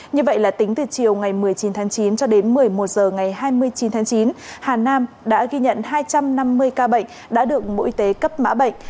như vậy là tính từ chiều ngày một mươi chín tháng chín cho đến một mươi một h ngày hai mươi chín tháng chín hà nam đã ghi nhận hai trăm năm mươi ca bệnh đã được bộ y tế cấp mã bệnh